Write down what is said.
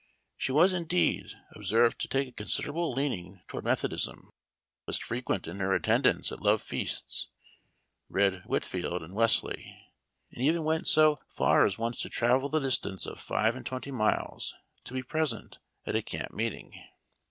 She was, indeed, observed to I take a considerable leaning toward Methodism, i was frequent in her attendance at love feasts, read Whitefield and Wesley, and even went so 50 Memoir of Washington Irving. far as once to travel the distance of five and twenty miles to be present at a camp meeting.